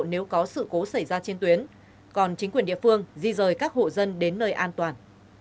nếu có sự cố xảy ra trên tuyến còn chính quyền địa phương di rời các hộ dân đến nơi an toàn